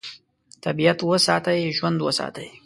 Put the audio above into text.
طبیعت وساتئ، ژوند وساتئ.